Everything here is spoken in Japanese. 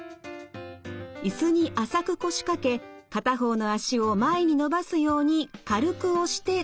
椅子に浅く腰掛け片方の脚を前に伸ばすように軽く押して力を抜きます。